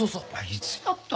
いつやった？